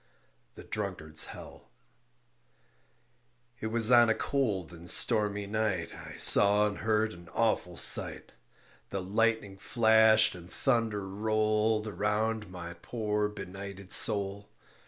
THE DRUNKARD'S HELL It was on a cold and stormy night I saw and heard an awful sight; The lightning flashed and thunder rolled Around my poor benighted soul.